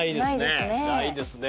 ないですね。